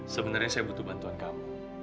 sebenarnya saya butuh bantuan kamu